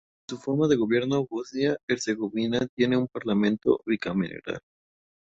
En su forma de gobierno Bosnia Herzegovina tiene un Parlamento bicameral.